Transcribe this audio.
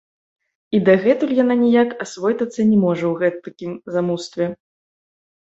І дагэтуль яна ніяк асвойтацца не можа ў гэтакім замустве.